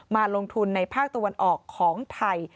มาลงทุนในภาคตะวันออกของไทย